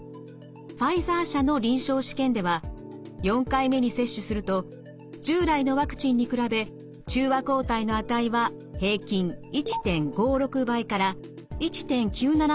ファイザー社の臨床試験では４回目に接種すると従来のワクチンに比べ中和抗体の値は平均１．５６倍から１．９７倍に上昇しました。